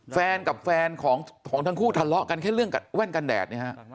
แฟนกับแฟนของทั้งคู่ทะเลาะกันแค่เรื่องกับแว่นกันแดดเนี่ยฮะ